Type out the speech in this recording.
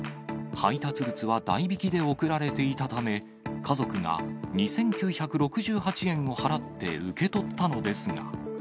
配達物は代引きで送られていたため、家族が２９６８円を払って受け取ったのですが。